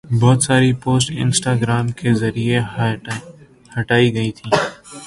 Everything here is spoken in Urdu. بہت ساری پوسٹ انسٹاگرام کے ذریعہ ہٹائی گئی تھی